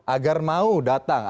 agar mau datang